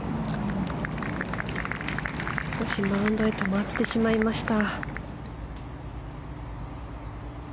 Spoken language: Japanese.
少しマウンドで止まってしまいました。